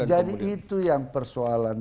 jadi itu yang persoalan